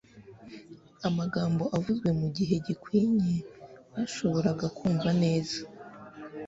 amagambo avuzwe mu gihe gikwinye bashoboraga kumva neza.